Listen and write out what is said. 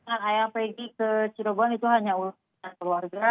ayah peggy ke cirebon itu hanya ulasan keluarga